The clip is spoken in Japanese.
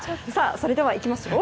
それではいきますよ。